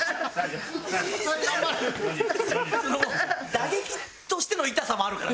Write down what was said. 打撃としての痛さもあるから。